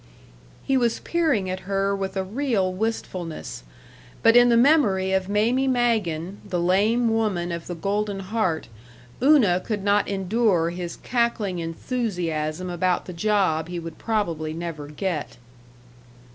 He was peering at her with a real wistfulness, but in the memory of Mamie Magen, the lame woman of the golden heart, Una could not endure his cackling enthusiasm about the job he would probably never get.